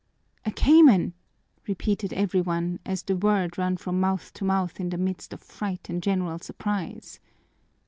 "A cayman!" repeated everyone, as the word ran from mouth to mouth in the midst of fright and general surprise.